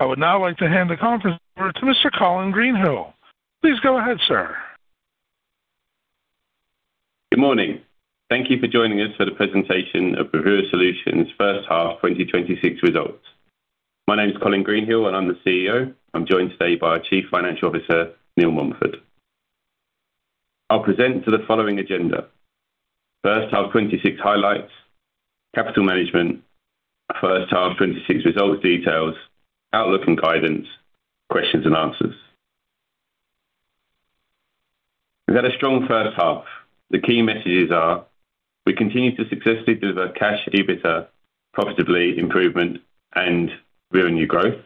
I would now like to hand the conference over to Mr. Colin Greenhill. Please go ahead, sir. Good morning. Thank you for joining us for the presentation of Bravura Solutions' first half 2026 results. My name is Colin Greenhill, and I'm the CEO. I'm joined today by our Chief Financial Officer, Neil Montford. I'll present to the following agenda: first half 2026 highlights, capital management, first half 2026 results details, outlook and guidance, questions and answers. We've had a strong first half. The key messages are we continue to successfully deliver cash EBITDA, profitability improvement, and revenue growth.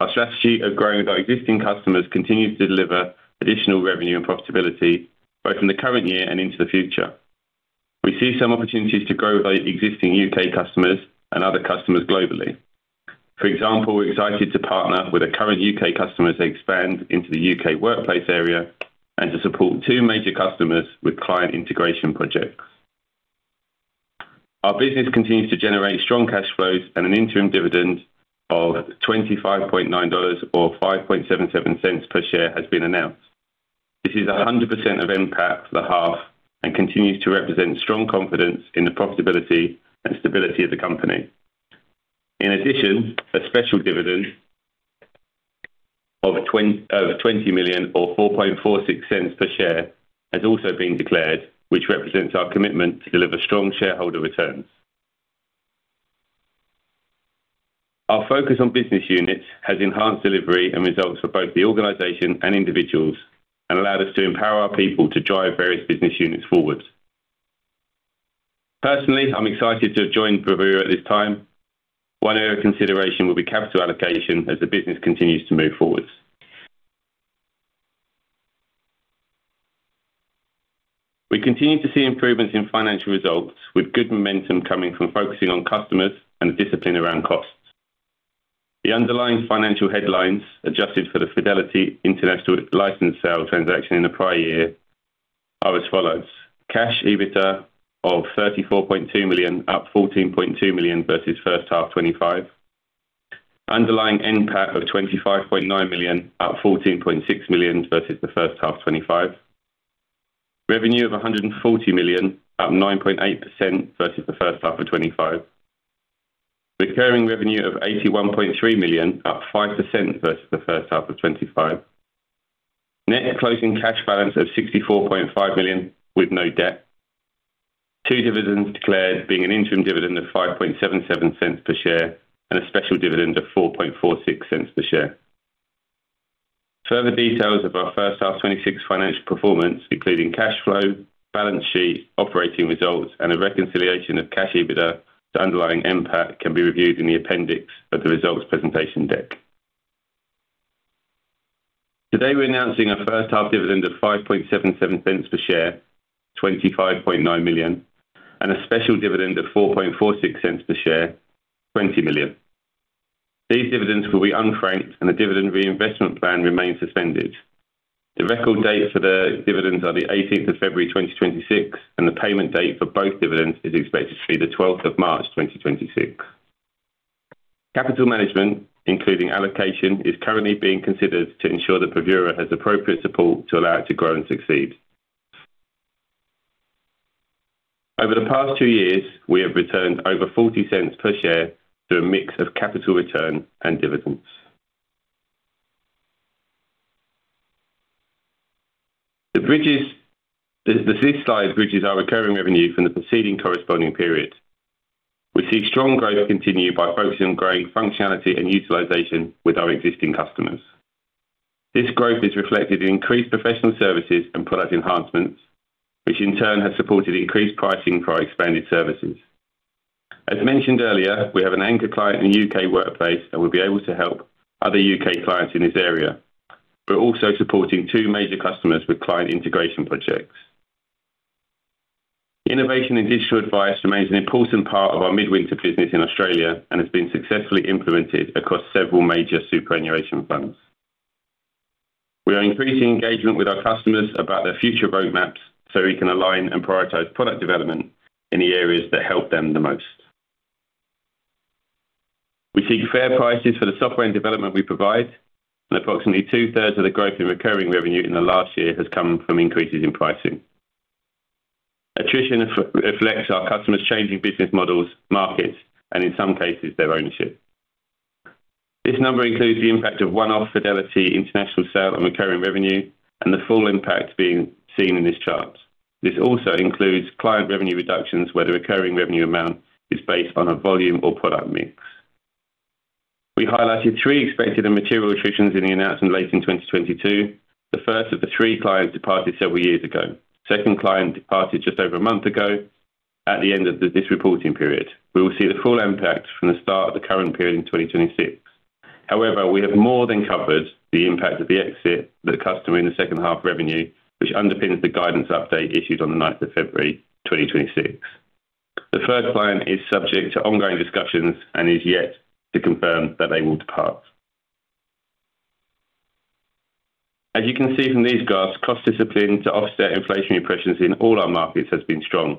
Our strategy of growing with our existing customers continues to deliver additional revenue and profitability, both in the current year and into the future. We see some opportunities to grow with our existing U.K. customers and other customers globally. For example, we're excited to partner with a current U.K. customer to expand into the U.K. workplace area and to support two major customers with client integration projects. Our business continues to generate strong cash flows and an interim dividend of 0.259 dollars or 0.0577 per share has been announced. This is 100% of NPAT for the half and continues to represent strong confidence in the profitability and stability of the company. In addition, a special dividend of 20 million or 0.0446 per share has also been declared, which represents our commitment to deliver strong shareholder returns. Our focus on business units has enhanced delivery and results for both the organization and individuals and allowed us to empower our people to drive various business units forward. Personally, I'm excited to have joined Bravura at this time. One area of consideration will be capital allocation as the business continues to move forward. We continue to see improvements in financial results with good momentum coming from focusing on customers and discipline around costs. The underlying financial headlines, adjusted for the Fidelity International license sale transaction in the prior year, are as follows: Cash EBITDA of 34.2 million, up 14.2 million versus first half 2025. Underlying NPAT of 25.9 million, up 14.6 million versus the first half 2025. Revenue of 140 million, up 9.8% versus the first half of 2025. Recurring revenue of 81.3 million, up 5% versus the first half of 2025. Net closing cash balance of 64.5 million with no debt. Two dividends declared being an interim dividend of 0.0577 per share and a special dividend of 0.0446 per share. Further details of our first half 2026 financial performance, including cash flow, balance sheet, operating results, and a reconciliation of cash EBITDA to underlying NPAT, can be reviewed in the appendix of the results presentation deck. Today, we're announcing a first-half dividend of 0.0577 per share, 25.9 million, and a special dividend of 0.0446 per share, 20 million. These dividends will be unfranked, and the dividend reinvestment plan remains suspended. The record date for the dividends are the eighteenth of February 2026, and the payment date for both dividends is expected to be the twelfth of March 2026. Capital management, including allocation, is currently being considered to ensure that Bravura has appropriate support to allow it to grow and succeed. Over the past two years, we have returned over 0.40 per share through a mix of capital return and dividends. This slide bridges our recurring revenue from the preceding corresponding period. We see strong growth continue by focusing on growing functionality and utilization with our existing customers. This growth is reflected in increased professional services and product enhancements, which in turn has supported increased pricing for our expanded services. As mentioned earlier, we have an anchor client in the U.K. workplace that will be able to help other U.K. clients in this area. We're also supporting two major customers with client integration projects. Innovation in digital advice remains an important part of our Midwinter business in Australia and has been successfully implemented across several major superannuation funds. We are increasing engagement with our customers about their future roadmaps so we can align and prioritize product development in the areas that help them the most. We seek fair prices for the software and development we provide, and approximately two-thirds of the growth in recurring revenue in the last year has come from increases in pricing. Attrition reflects our customers' changing business models, markets, and in some cases, their ownership. This number includes the impact of one-off Fidelity International sale on recurring revenue and the full impact being seen in this chart. This also includes client revenue reductions, where the recurring revenue amount is based on a volume or product mix. We highlighted three expected and material attritions in the announcement late in 2022. The first of the three clients departed several years ago. Second client departed just over a month ago at the end of this reporting period. We will see the full impact from the start of the current period in 2026. However, we have more than covered the impact of the exit of the customer in the second half revenue, which underpins the guidance update issued on the ninth of February 2026. The first client is subject to ongoing discussions and is yet to confirm that they will depart. As you can see from these graphs, cost discipline to offset inflationary pressures in all our markets has been strong,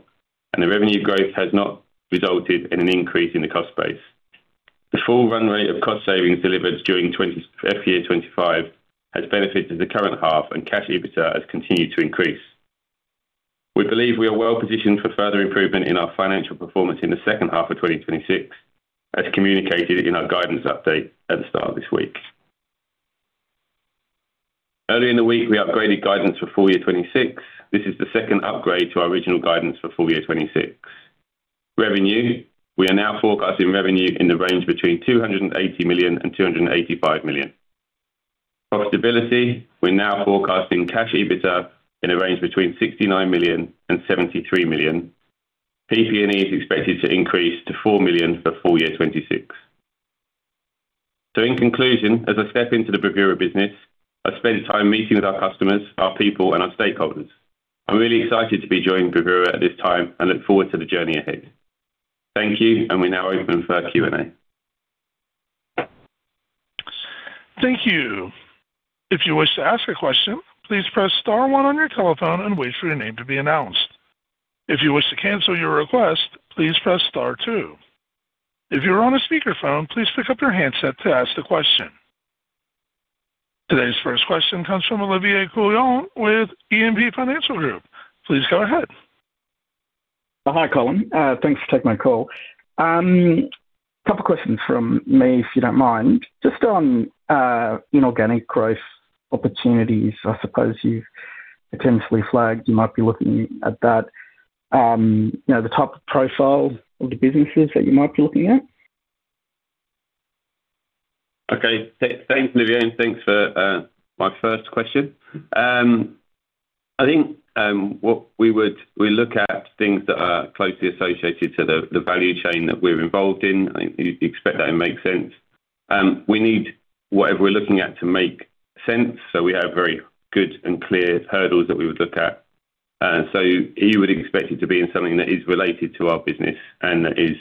and the revenue growth has not resulted in an increase in the cost base. The full run rate of cost savings delivered during FY 2025 has benefited the current half, and Cash EBITDA has continued to increase. We believe we are well positioned for further improvement in our financial performance in the second half of 2026, as communicated in our guidance update at the start of this week. Early in the week, we upgraded guidance for full year 2026. This is the second upgrade to our original guidance for full year 2026. Revenue, we are now forecasting revenue in the range between 280 million and 285 million. Profitability, we're now forecasting cash EBITDA in a range between 69 million and 73 million. PP&E is expected to increase to 4 million for full year 2026. So in conclusion, as I step into the Bravura business, I've spent time meeting with our customers, our people, and our stakeholders. I'm really excited to be joining Bravura at this time and look forward to the journey ahead. Thank you, and we're now open for Q&A. Thank you. If you wish to ask a question, please press star one on your telephone and wait for your name to be announced. If you wish to cancel your request, please press star two. If you're on a speakerphone, please pick up your handset to ask the question. Today's first question comes from Olivier Coulon with E&P Financial Group. Please go ahead. Hi, Colin. Thanks for taking my call. A couple of questions from me, if you don't mind. Just on inorganic growth opportunities, I suppose you've potentially flagged you might be looking at that, you know, the type of profile of the businesses that you might be looking at? Okay. Thanks, Olivier, and thanks for my first question. I think what we would look at things that are closely associated to the value chain that we're involved in. I think you'd expect that to make sense. We need whatever we're looking at to make sense, so we have very good and clear hurdles that we would look at. So you would expect it to be in something that is related to our business and that is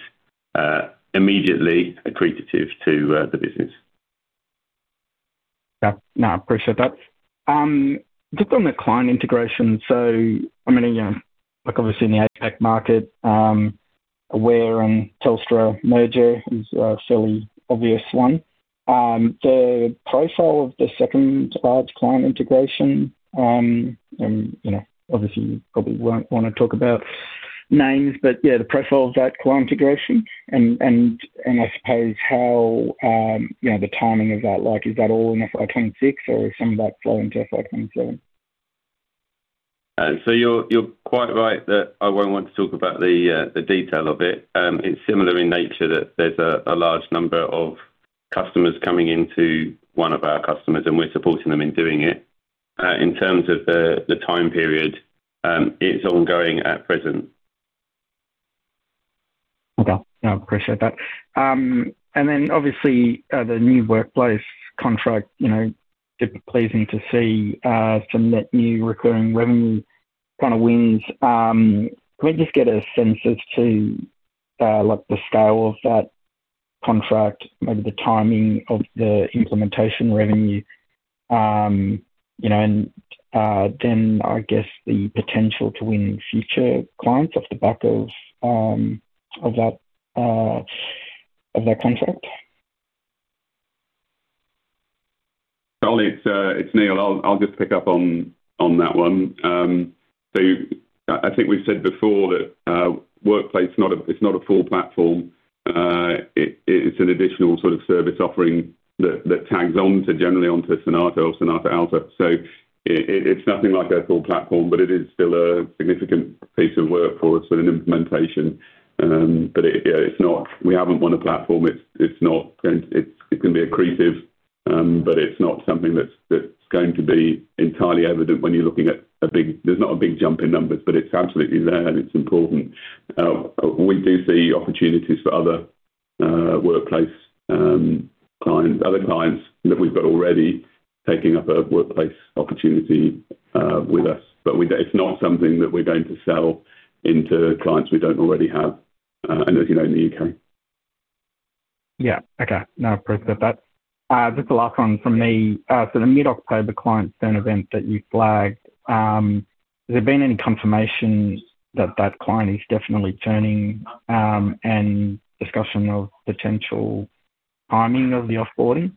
immediately accretive to the business. Yeah. No, I appreciate that. Just on the client integration, so I'm gonna, yeah, look obviously in the APAC market, Aware and Telstra merger is a fairly obvious one. The profile of the second large client integration, and, you know, obviously you probably won't wanna talk about names, but yeah, the profile of that client integration and, and, and I suppose how, you know, the timing of that, like, is that all in FY 2026 or is some of that flowing to FY 2027? So you're quite right that I won't want to talk about the detail of it. It's similar in nature that there's a large number of customers coming into one of our customers, and we're supporting them in doing it. In terms of the time period, it's ongoing at present. Okay. No, appreciate that. And then obviously, the new workplace contract, you know, pleasing to see, some net new recurring revenue kind of wins. Can we just get a sense as to, like the scale of that contract, maybe the timing of the implementation revenue, you know, and, then I guess the potential to win future clients off the back of, of that, of that contract? Oli, it's Neil. I'll just pick up on that one. So I think we've said before that Workplace not a-- it's not a full platform. It's an additional sort of service offering that tags on to generally onto Sonata or Sonata Alta. So it's nothing like a full platform, but it is still a significant piece of work for a sort of implementation. But yeah, it's not-- We haven't won a platform. It's not going to... It's gonna be accretive, but it's not something that's going to be entirely evident when you're looking at a big-- There's not a big jump in numbers, but it's absolutely there, and it's important. We do see opportunities for other workplace clients, other clients that we've got already taking up a workplace opportunity with us. But we don't. It's not something that we're going to sell into clients we don't already have, and as you know, in the U.K. Yeah. Okay. No, appreciate that. Just the last one from me. So the mid-October client event that you flagged, has there been any confirmation that that client is definitely turning, and discussion of potential timing of the off-boarding?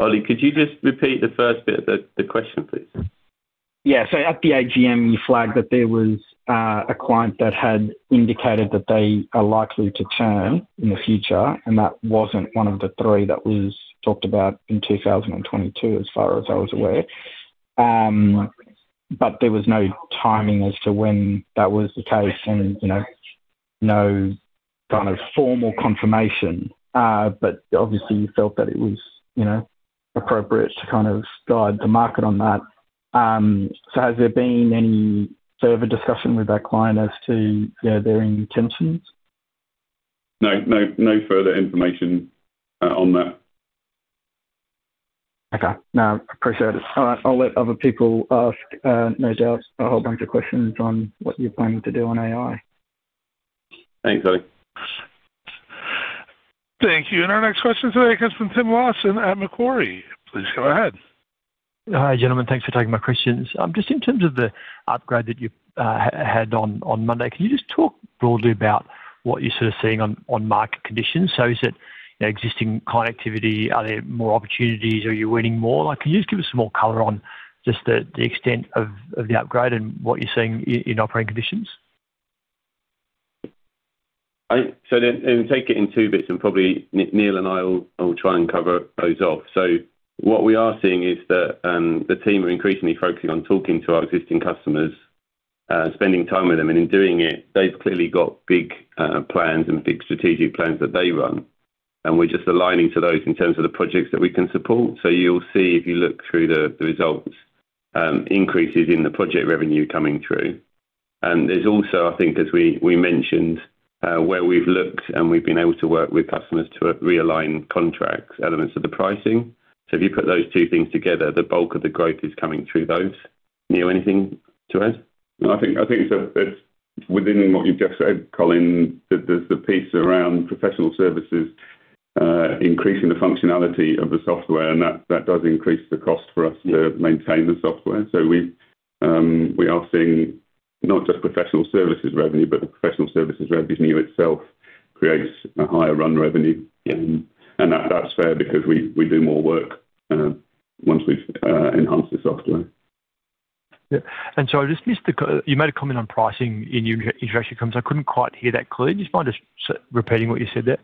Oli, could you just repeat the first bit of the question, please? Yeah. So at the AGM, you flagged that there was a client that had indicated that they are likely to turn in the future, and that wasn't one of the three that was talked about in 2022, as far as I was aware. But there was no timing as to when that was the case and, you know, no kind of formal confirmation, but obviously you felt that it was, you know, appropriate to kind of guide the market on that. So has there been any further discussion with that client as to, you know, their intentions? No, no, no further information on that. Okay. No, appreciate it. I, I'll let other people ask, no doubt, a whole bunch of questions on what you're planning to do on AI. Thanks, Oli. Thank you. Our next question today comes from Tim Lawson at Macquarie. Please go ahead. Hi, gentlemen. Thanks for taking my questions. Just in terms of the upgrade that you had on Monday, can you just talk broadly about what you're sort of seeing on market conditions? So is it, you know, existing client activity? Are there more opportunities? Are you winning more? Like, can you just give us some more color on just the extent of the upgrade and what you're seeing in operating conditions? So then, then we take it in two bits, and probably Neil and I will try and cover those off. So what we are seeing is that, the team are increasingly focusing on talking to our existing customers, spending time with them, and in doing it, they've clearly got big plans and big strategic plans that they run, and we're just aligning to those in terms of the projects that we can support. So you'll see, if you look through the results, increases in the project revenue coming through. And there's also, I think, as we mentioned, where we've looked, and we've been able to work with customers to realign contracts, elements of the pricing. So if you put those two things together, the bulk of the growth is coming through those. Neil, anything to add? No, I think, I think so it's within what you've just said, Colin, that there's the piece around professional services, increasing the functionality of the software, and that, that does increase the cost for us to maintain the software. So we, we are seeing not just professional services revenue, but the professional services revenue itself creates a higher run revenue. Yeah. That's fair because we do more work once we've enhanced the software. Yeah. And so I just missed the comment. You made a comment on pricing in your interactions, comments. I couldn't quite hear that clearly. Do you mind just repeating what you said there?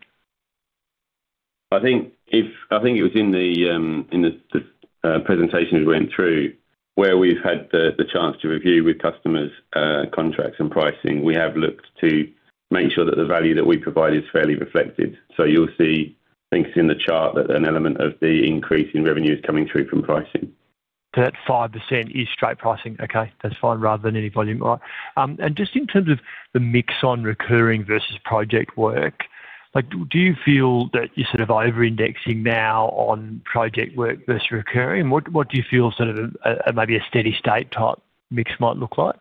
I think it was in the presentation as we went through, where we've had the chance to review with customers contracts and pricing, we have looked to make sure that the value that we provide is fairly reflected. So you'll see things in the chart that an element of the increase in revenue is coming through from pricing. So that 5% is straight pricing. Okay, that's fine, rather than any volume. And just in terms of the mix on recurring versus project work, like, do you feel that you're sort of over-indexing now on project work versus recurring? What do you feel sort of a maybe a steady state type mix might look like?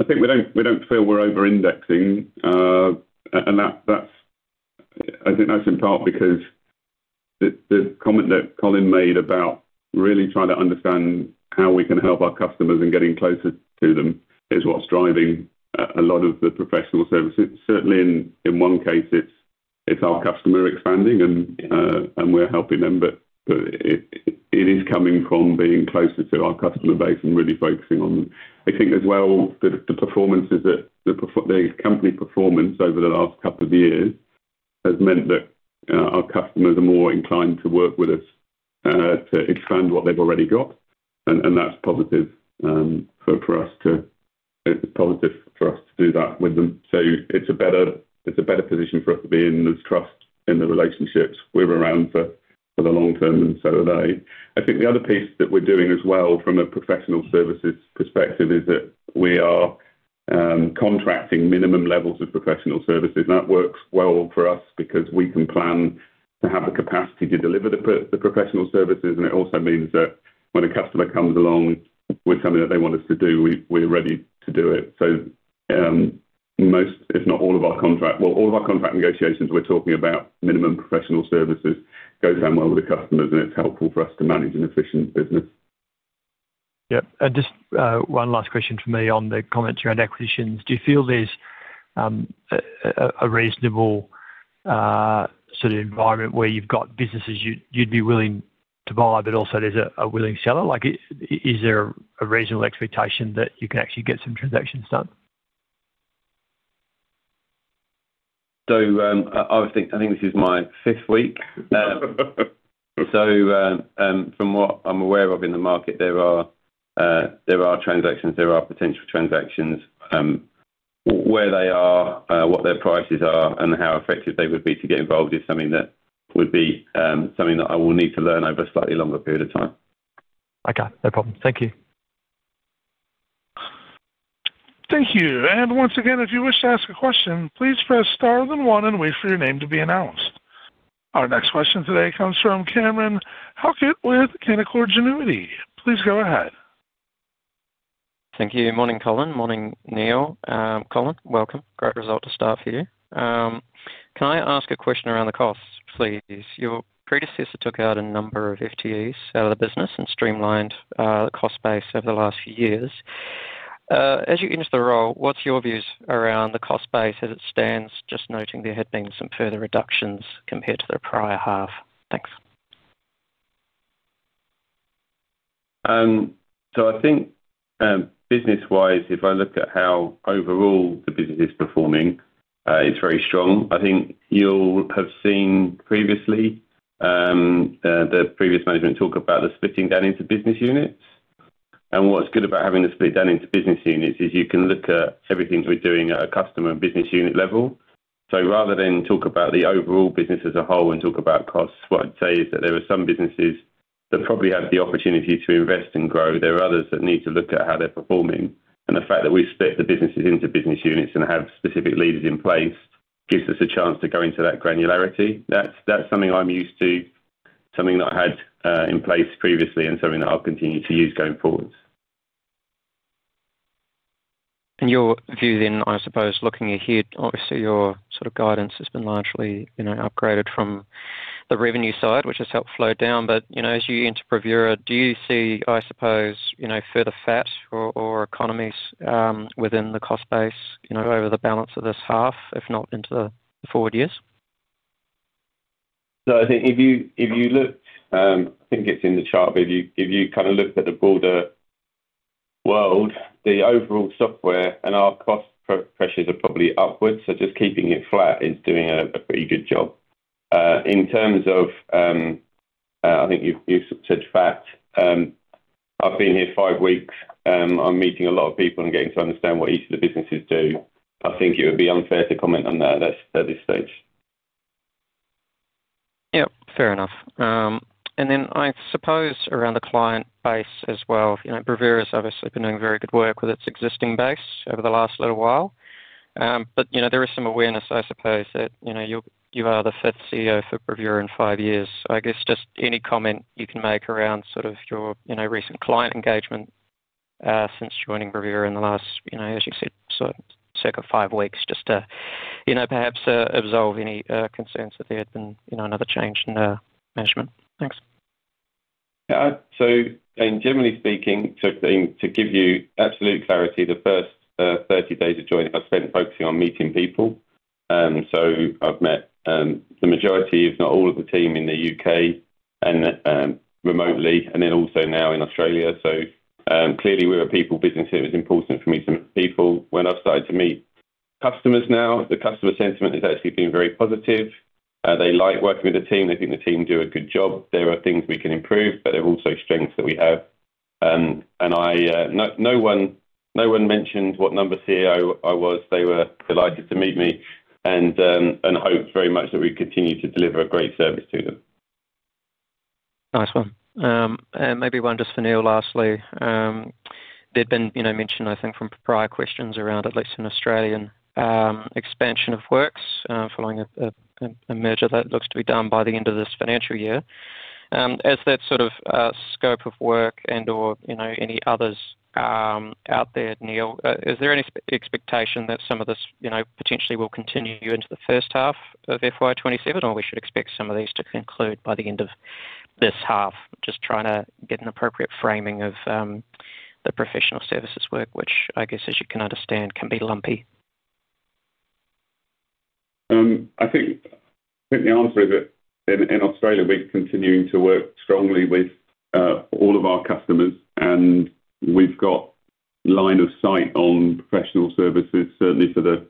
I think we don't feel we're over-indexing, and that's. I think that's in part because the comment that Colin made about really trying to understand how we can help our customers in getting closer to them is what's driving a lot of the professional services. Certainly in one case, it's our customer expanding, and, Yeah. And we're helping them, but it is coming from being closer to our customer base and really focusing on. I think as well, the performances that the company performance over the last couple of years has meant that our customers are more inclined to work with us to expand what they've already got, and that's positive for us. It's positive for us to do that with them. So it's a better position for us to be in. There's trust in the relationships. We're around for the long term, and so are they. I think the other piece that we're doing as well from a professional services perspective is that we are contracting minimum levels of professional services. And that works well for us because we can plan to have the capacity to deliver the professional services, and it also means that when a customer comes along with something that they want us to do, we, we're ready to do it. So, most, if not all of our contract—well, all of our contract negotiations, we're talking about minimum professional services, goes down well with the customers, and it's helpful for us to manage an efficient business. Yep. And just, one last question from me on the comments around acquisitions. Do you feel there's a reasonable sort of environment where you've got businesses you'd be willing to buy, but also there's a willing seller? Like, is there a reasonable expectation that you can actually get some transactions done? So, I think this is my fifth week. From what I'm aware of in the market, there are transactions, there are potential transactions. Where they are, what their prices are, and how effective they would be to get involved is something that would be something that I will need to learn over a slightly longer period of time. Okay, no problem. Thank you. Thank you. Once again, if you wish to ask a question, please press star then one and wait for your name to be announced. Our next question today comes from Cameron Halkett with Canaccord Genuity. Please go ahead. Thank you. Morning, Colin. Morning, Neil. Colin, welcome. Great result to start for you. Can I ask a question around the costs, please? Your predecessor took out a number of FTEs out of the business and streamlined the cost base over the last few years. As you enter the role, what's your views around the cost base as it stands, just noting there had been some further reductions compared to the prior half? Thanks. So I think, business-wise, if I look at how overall the business is performing, it's very strong. I think you'll have seen previously, the previous management talk about the splitting down into business units. What's good about having the split down into business units is you can look at everything we're doing at a customer and business unit level. Rather than talk about the overall business as a whole and talk about costs, what I'd say is that there are some businesses that probably have the opportunity to invest and grow. There are others that need to look at how they're performing, and the fact that we've split the businesses into business units and have specific leaders in place, gives us a chance to go into that granularity. That's, that's something I'm used to, something that I had in place previously, and something that I'll continue to use going forward. In your view then, I suppose looking ahead, obviously, your sort of guidance has been largely, you know, upgraded from the revenue side, which has helped flow down. But, you know, as you enter Bravura, do you see, I suppose, you know, further fat or economies within the cost base, you know, over the balance of this half, if not into the forward years? So I think if you look, I think it's in the chart, but if you kind of look at the broader world, the overall software and our cost pressures are probably upwards, so just keeping it flat is doing a pretty good job. In terms of, I think you said fat, I've been here five weeks, I'm meeting a lot of people and getting to understand what each of the businesses do. I think it would be unfair to comment on that at this stage. Yep, fair enough. And then I suppose around the client base as well, you know, Bravura has obviously been doing very good work with its existing base over the last little while. But, you know, there is some awareness, I suppose, that, you know, you are the fifth CEO for Bravura in five years. So I guess just any comment you can make around sort of your, you know, recent client engagement, since joining Bravura in the last, you know, as you said, so circa five weeks, just to, you know, perhaps, absolve any concerns that there had been, you know, another change in management. Thanks. Yeah. So in general speaking, to give you absolute clarity, the first 30 days of joining I've spent focusing on meeting people. So I've met the majority, if not all of the team in the U.K. and remotely, and then also now in Australia. So clearly we're a people business here. It's important for me to meet people. When I've started to meet customers now, the customer sentiment has actually been very positive. They like working with the team. They think the team do a good job. There are things we can improve, but there are also strengths that we have. And I, no one mentioned what number CEO I was. They were delighted to meet me and hoped very much that we continue to deliver a great service to them. Nice one. And maybe one just for Neil lastly. There'd been, you know, mention, I think, from prior questions around, at least in Australian, expansion of Workplace, following a merger that looks to be done by the end of this financial year. As that sort of, scope of work and/or, you know, any others, out there, Neil, is there any expectation that some of this, you know, potentially will continue into the first half of FY 2027, or we should expect some of these to conclude by the end of this half? Just trying to get an appropriate framing of, the professional services work, which I guess, as you can understand, can be lumpy. I think, I think the answer is that in Australia, we're continuing to work strongly with all of our customers, and we've got line of sight on professional services, certainly for the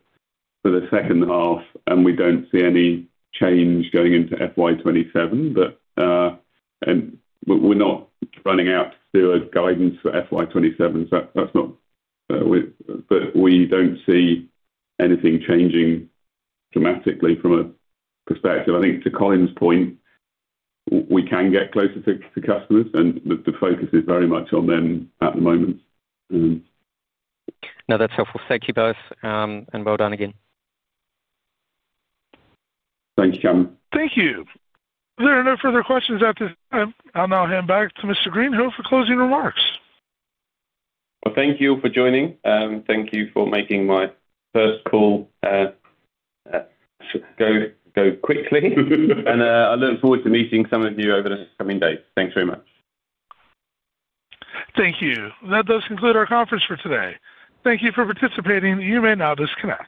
second half, and we don't see any change going into FY 2027. But we're not running out to do a guidance for FY 2027. So that's not, but we don't see anything changing dramatically from a perspective. I think to Colin's point, we can get closer to customers, and the focus is very much on them at the moment. No, that's helpful. Thank you both, and well done again. Thanks, Cameron. Thank you. If there are no further questions at this time, I'll now hand back to Mr. Greenhill for closing remarks. Well, thank you all for joining. Thank you for making my first call go quickly. And I look forward to meeting some of you over the next coming days. Thanks very much. Thank you. That does conclude our conference for today. Thank you for participating. You may now disconnect.